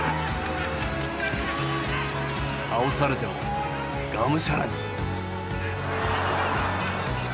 倒されてもがむしゃらに。